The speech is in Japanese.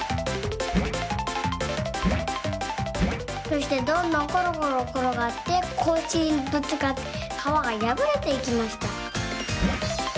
そしてどんどんころころころがってこいしにぶつかってかわがやぶれていきました。